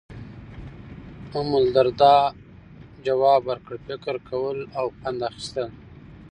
امالدرداء ځواب ورکړ، فکر کول او پند اخیستل.